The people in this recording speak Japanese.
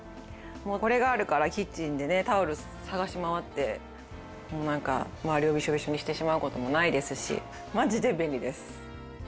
もうこれがあるからキッチンでねタオル探し回ってなんか周りをビショビショにしてしまう事もないですしマジで便利です。